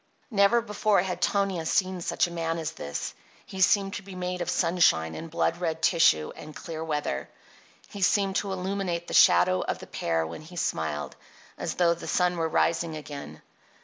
Never before had Tonia seen such a man as this. He seemed to be made of sunshine and blood red tissue and clear weather. He seemed to illuminate the shadow of the pear when he smiled, as though the sun were rising again.